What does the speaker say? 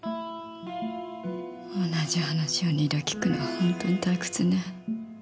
同じ話を２度聞くのは本当に退屈ね。